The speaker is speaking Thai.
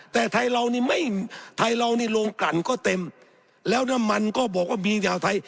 แต่ไทยเรานี่ไม่ไทยเรานี่โรงกลั่นก็เต็มแล้วน้ำมันก็บอกว่ามีชาวไทย